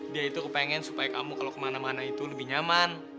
dia itu kepengen supaya kamu kalau kemana mana itu lebih nyaman